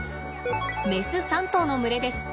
メス３頭の群れです。